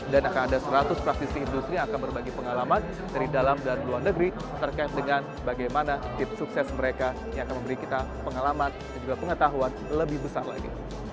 dan akan ada seratus praktisi industri yang akan berbagi pengalaman dari dalam dan luar negeri terkait dengan bagaimana tip sukses mereka yang akan memberi kita pengalaman dan juga pengetahuan lebih besar lagi